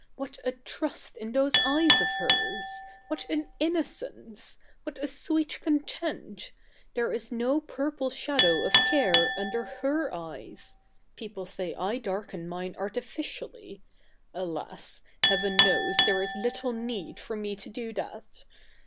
What a trust i?i those eyes of hers ! What a?i innocence I What a sweet content I There is no purple shadow of care under her eyes — {feople say I darken mi?ie artificially. Alas I heaven knows the?'e is little need for me to do that